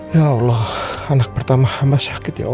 ya allah anak pertama sama sakit